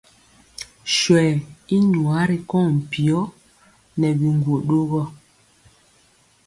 Swɛɛ i nwaa ri kɔŋ mpiyɔ nɛ biŋgwo ɗogɔ.